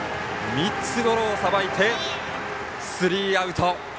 ３つゴロをさばいてスリーアウト。